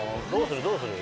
どうする？